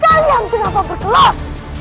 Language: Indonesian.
kalian kenapa berkelos